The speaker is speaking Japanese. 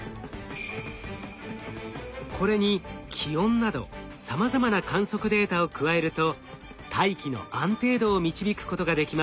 これに気温などさまざまな観測データを加えると大気の安定度を導くことができます。